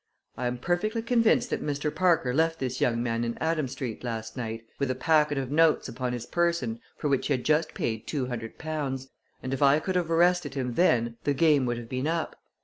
I am perfectly convinced that Mr. Parker left this young man in Adam Street last night, with a packet of notes upon his person for which he had just paid two hundred pounds, and if I could have arrested him then the game would have been up.